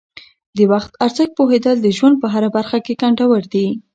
د وخت ارزښت پوهیدل د ژوند په هره برخه کې ګټور دي.